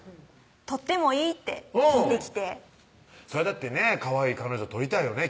「撮ってもいい？」って聞いてきてそらだってねかわいい彼女撮りたいよね